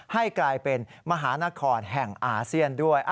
ให้กลายเป็นมหานครแห่งอาเซียนด้วย